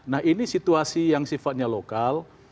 nah ini situasi yang sifatnya lokal